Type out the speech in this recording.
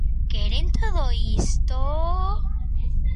¿Queren todo isto?